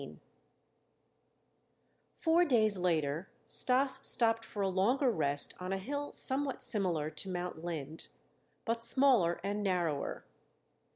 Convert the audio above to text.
XIX Four days later Stas stopped for a longer rest on a hill somewhat similar to Mount Linde, but smaller and narrower.